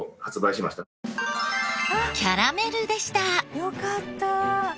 よかった。